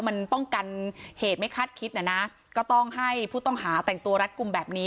มันป้องกันเหตุไม่คาดคิดน่ะนะก็ต้องให้ผู้ต้องหาแต่งตัวรัดกลุ่มแบบนี้